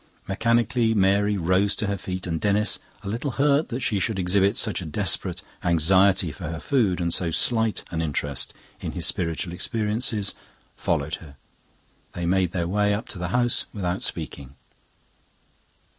Mechanically Mary rose to her feet, and Denis, a little hurt that she should exhibit such a desperate anxiety for her food and so slight an interest in his spiritual experiences, followed her. They made their way up to the house without speaking.